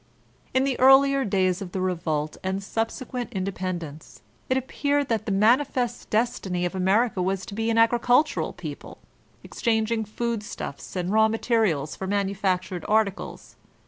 In the earlier days of the revolt and subsequent inde pendence, it appeared that the "manifest destiny"' of America was to be an agricultural people, exchanging food stuffs and raw materials for manufactured articles.